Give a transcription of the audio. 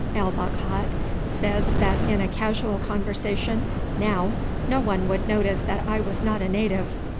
El Bakhat says that in a casual conversation now no one would notice that I was not a native.